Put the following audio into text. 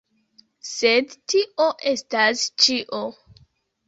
Sed tio estas ĉio.